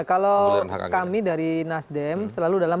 kalau kami dari nasdem selalu dalam